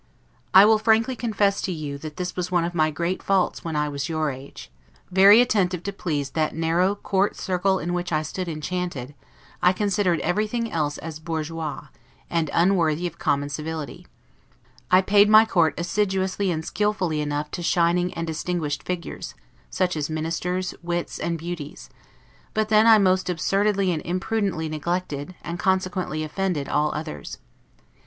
I will frankly confess to you, that this was one of my great faults when I was of your age. Very attentive to please that narrow court circle in which I stood enchanted, I considered everything else as bourgeois, and unworthy of common civility; I paid my court assiduously and skillfully enough to shining and distinguished figures, such as ministers, wits, and beauties; but then I most absurdly and imprudently neglected, and consequently offended all others.